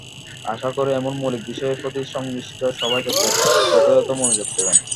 আশা করি, এমন মৌলিক বিষয়ের প্রতি সংশ্লিষ্ট সবাই যথাযথ মনোযোগ দেবেন।